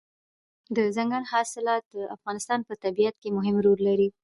دځنګل حاصلات د افغانستان په طبیعت کې مهم رول لري.